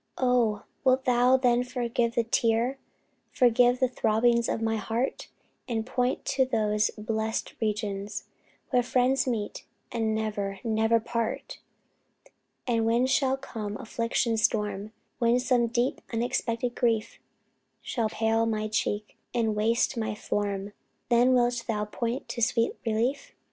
Oh! wilt thou then forgive the tear? Forgive the throbbings of my heart? And point to those blest regions, where Friends meet, and never, never part! And when shall come affliction's storm, When some deep, unexpected grief Shall pale my cheek, and waste my form, Then wilt thou point to sweet relief?